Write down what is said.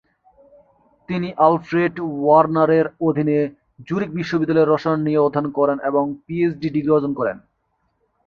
তিনি আলফ্রেড ওয়ার্নারের অধীনে জুরিখ বিশ্ববিদ্যালয়ে রসায়ন নিয়ে অধ্যয়ন করেন এবং পিএইচডি ডিগ্রি অর্জন করেন।